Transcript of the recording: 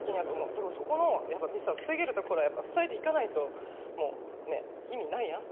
でもそこのやっぱりミスは防げるところは防いでいかないともうね意味ないやん。